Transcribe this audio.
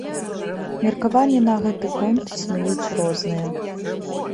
Меркаванні на гэты конт існуюць розныя.